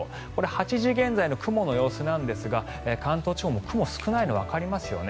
８時現在の雲の様子なんですが関東地方、雲が少ないのがわかりますよね。